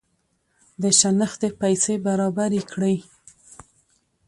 د شنختې پیسې برابري کړي.